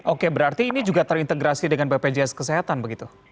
oke berarti ini juga terintegrasi dengan bpjs kesehatan begitu